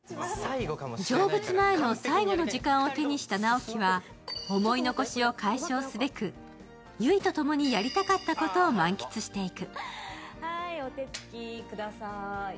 成仏前の最後の時間を手にした直木は思い残しを解消すべく、悠依とともにやりたかったことを満喫していく。